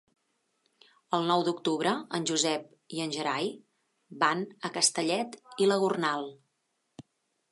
El nou d'octubre en Josep i en Gerai van a Castellet i la Gornal.